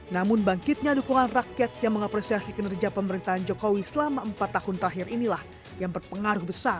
namun bangkitnya dukungan rakyat yang mengapresiasi kinerja pemerintahan jokowi selama empat tahun terakhir inilah yang berpengaruh besar